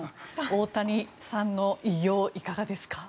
大谷さんの偉業、いかがですか？